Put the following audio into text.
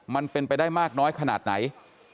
มันเป็นไปได้มากน้อยขนาดไหน